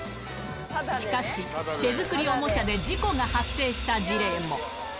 しかし、手作りおもちゃで事故が発生した事例も。